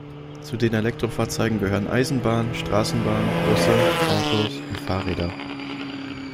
Zu den Elektrofahrzeugen gehören Eisenbahn, Straßenbahn, Busse, Autos und Fahrräder.